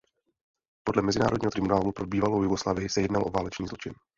Podle Mezinárodního tribunálu pro bývalou Jugoslávii se jednalo o válečný zločin.